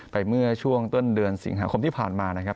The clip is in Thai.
ไปเมื่อช่วงต้นเดือนสิงหาคมที่ผ่านมา